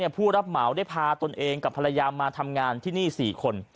ผู้รับเหมาได้พาตนเองกับภรรยามาทำงานที่นี่๔คน